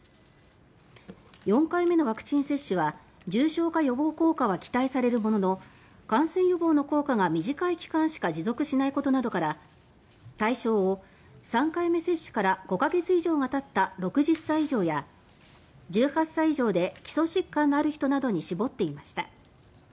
４回目のワクチン接種は重症化予防効果は期待されるものの感染予防の効果が、短い期間しか持続しないことなどから対象を、３回目接種から５か月以上がたった６０歳以上や１８歳以上で基礎疾患のある人などに絞っていました。